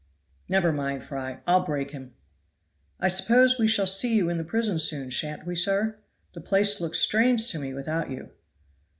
"Never mind, Fry, I'll break him." "I suppose we shall see you in the prison soon, shan't we, sir? The place looks strange to me without you."